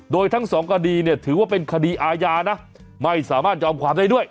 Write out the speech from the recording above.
โดยทั้งสองคดีเนี่ยถือว่าเป็นคดีอาญานะไม่สามารถยอมความได้ด้วย